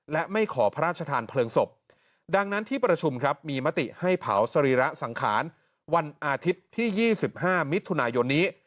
และไม่ขอพระราชทานเพลิงศพดังนั้นที่ประชุมครับมีมติให้เผาสรีระสังขารวันอาทิตย์ที่๒๕มิถุนายนนี้